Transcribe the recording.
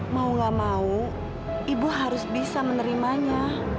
maulah mau ibu harus bisa menerimanya